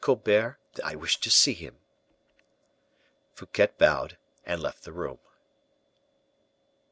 Colbert I wish to see him." Fouquet bowed and left the room.